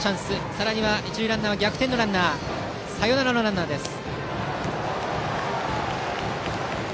さらには一塁ランナーはサヨナラのランナーです。